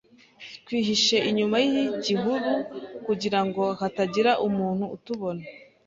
Twihishe inyuma yigihuru kugirango hatagira umuntu utubona.